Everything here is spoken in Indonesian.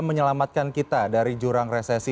menyelamatkan kita dari jurang resesi